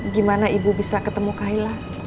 gimana ibu bisa ketemu kaila